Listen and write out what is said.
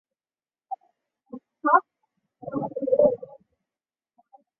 张瓘是太原监军使张承业的侄子。